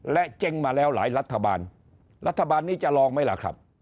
และเจ๊งมาแล้วหลายรัฐบาลรัฐบาลนี้จะลองไหมล่ะครับ